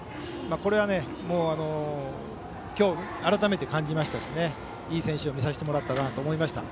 これは今日、改めて感じましたしいい選手を見させてもらったと思いました。